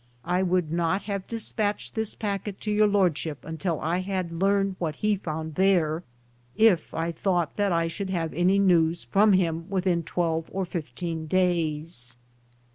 I would not have dispatched this packet to Your Lordship until I had learned what he found there, if I thought that I should have any news from him within twelve or fifteen days.